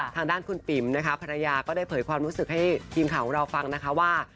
ทางด้านคุณปิ๋มนะคะภรรยาก็ได้เผยความรู้สึกให้ทีมข่าวของเราฟังนะคะว่า